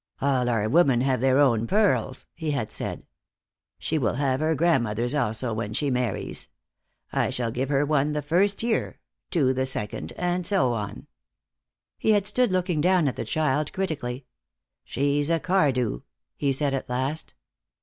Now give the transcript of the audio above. "All our women have their own pearls," he had said. "She will have her grandmother's also when she marries. I shall give her one the first year, two the second, and so on." He had stood looking down at the child critically. "She's a Cardew," he said at last.